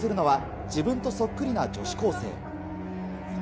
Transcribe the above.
そこに映るのは自分とそっくりな女子高生。